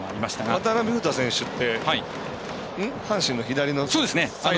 渡邉雄大選手って阪神の左の。